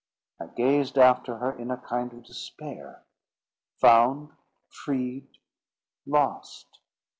I gazed after her in a kind of despair; found, freed, lost!